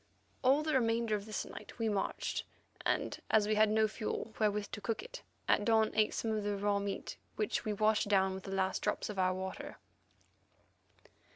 All the remainder of this night we marched, and, as we had no fuel wherewith to cook it, at dawn ate some of the raw meat, which we washed down with the last drops of our water.